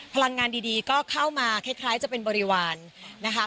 พลังงานดีก็เข้ามาคล้ายจะเป็นบริวารนะคะ